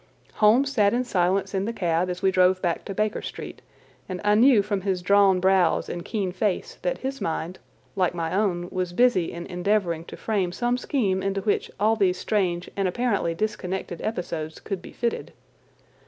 Holmes sat in silence in the cab as we drove back to Baker Street, and I knew from his drawn brows and keen face that his mind, like my own, was busy in endeavouring to frame some scheme into which all these strange and apparently disconnected episodes could be fitted.